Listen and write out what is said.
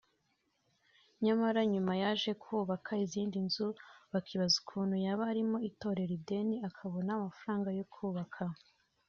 nyamara nyuma yaje kuhubaka izindi nzu bakibaza ukuntu yaba arimo Itorero ideni akabona amafaranga yo kubaka